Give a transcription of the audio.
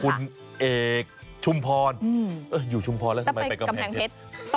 คุณเอกชุมพรอยู่ชุมพรแล้วทำไมไปกำแพงเพชร